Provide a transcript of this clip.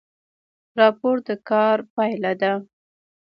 راپور د کار پایله ده